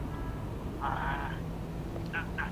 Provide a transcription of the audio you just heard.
ګڼ خلګ به اوږد ډنډ ړنګ کړي.